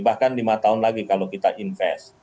bahkan lima tahun lagi kalau kita invest